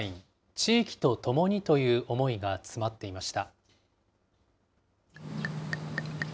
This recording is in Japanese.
地域とともにという思いが詰まっていました。